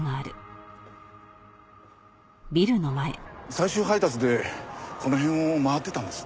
最終配達でこの辺を回ってたんです。